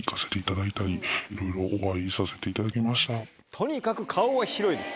とにかく顔が広いです。